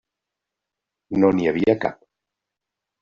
No n'hi havia cap.